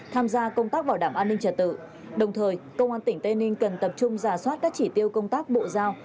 tham gia công tác bảo đảm an ninh trả tự đồng thời công an tỉnh tây ninh cần tập trung giả soát các chỉ tiêu công tác bộ giao